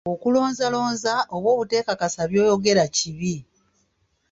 Okulonzalonza oba obuteekakasa by'oyogera kibi.